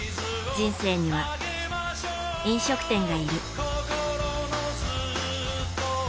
人生には、飲食店がいる。